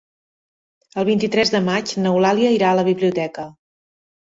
El vint-i-tres de maig n'Eulàlia irà a la biblioteca.